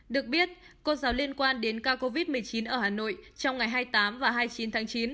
được biết cô giáo liên quan đến ca covid một mươi chín ở hà nội trong ngày hai mươi tám và hai mươi chín tháng chín